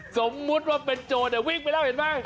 สมมุติว่าเป็นโจรวิ่งไปแล้วเห็นไหม